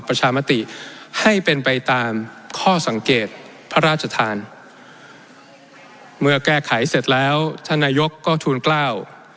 พระราชธานเมื่อแก้ไขเสร็จแล้วท่านนายกก็ทูลเกล้า